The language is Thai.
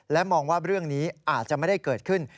และมองว่าเรื่องนี้อาจจะไม่ได้เกิดขึ้น